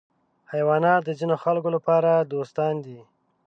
حیوانات د ځینو خلکو لپاره دوستان دي.